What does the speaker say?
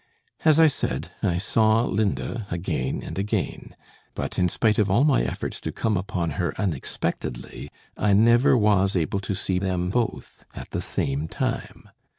As I said, I saw Linda again and again, but in spite of all my efforts to come upon her unexpectedly, I never was able to see them both at the same time.